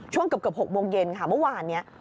ช่วงเกือบ๖โมงเย็นค่ะเมื่อวานนี้